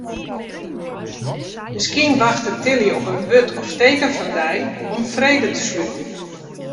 Miskien wachtet Tilly op in wurd of teken fan dy om frede te sluten.